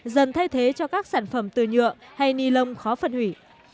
dần thay thế cho các sản phẩm từ nhựa hay ni lông khó phân hủy